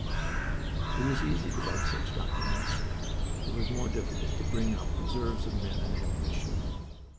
It was easy to write such documents. It was more difficult to bring up reserves of men and ammunition.